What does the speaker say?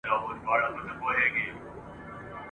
زما په برخه به نن ولي دا ژړاوای ..